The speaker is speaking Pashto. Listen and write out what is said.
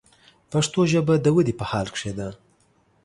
پښتو ژبه د ودې په حال کښې ده.